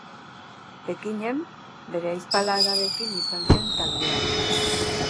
Pekinen, bere ahizpa Lararekin izan zen taldean.